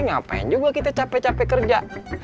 ngapain juga kita capek capek kerja